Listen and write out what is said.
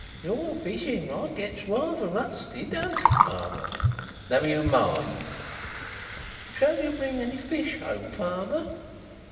"Your fishing rod gets rayther rusty; don't it, father?" "Never you mind." "Shall you bring any fish home, father?"